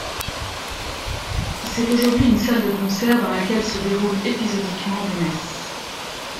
C'est aujourd'hui une salle de concert dans laquelle se déroulent épisodiquement des messes.